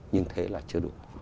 nhưng thế là chưa đủ